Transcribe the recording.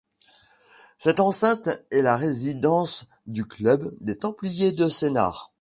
Cette enceinte est la résidence du club des Templiers de Sénart.